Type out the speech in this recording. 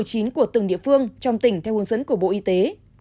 của từng địa phương trong tỉnh theo hướng dẫn của bộ y tế